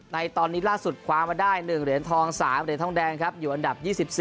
ในตอนนี้ล่าสุดคว้ามาได้๑เหรียญทอง๓เหรียญทองแดงครับอยู่อันดับ๒๔